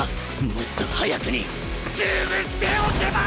もっと早くに潰しておけば！